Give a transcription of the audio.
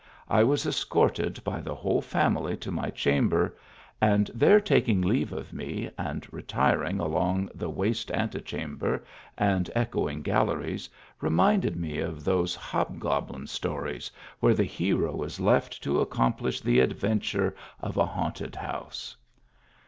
I was escorted by the whole family to my chamber, and there taking leave of me, and retiring along the waste antechamber and echoing galleries, reminded me of those hobgoblin stories, where the hero is left to accomplish the adventure of a haunted house.